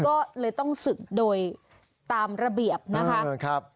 ก็เลยต้องศึกโดยตามระเบียบนะคะ